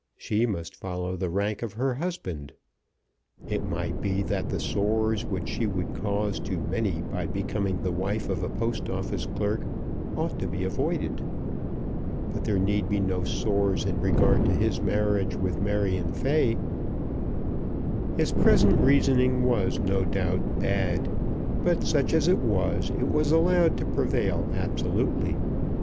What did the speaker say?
She must follow the rank of her husband. It might be that the sores which she would cause to many by becoming the wife of a Post Office clerk ought to be avoided. But there need be no sores in regard to his marriage with Marion Fay. His present reasoning was, no doubt, bad, but such as it was it was allowed to prevail absolutely.